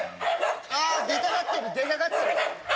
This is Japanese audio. あー、出たがってる、出たがってる。